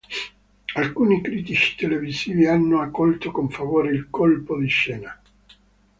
Alcuni critici televisivi hanno accolto con favore il colpo di scena.